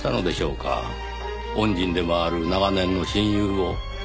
恩人でもある長年の親友を。